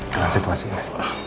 dengan situasi ini